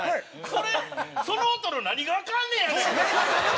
それその音の何がアカンねやねん！